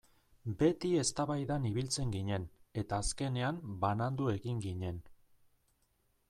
Beti eztabaidan ibiltzen ginen eta azkenean banandu egin ginen.